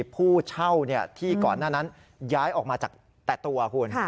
ผู้เช่าที่ก่อนหน้านั้นย้ายออกมาจากแต่ตัวคุณ